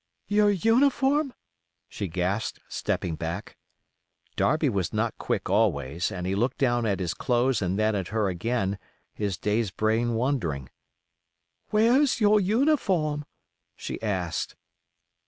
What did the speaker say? "Yer uniform?" she gasped, stepping back. Darby was not quick always, and he looked down at his clothes and then at her again, his dazed brain wondering. "Whar's yer uniform?" she asked.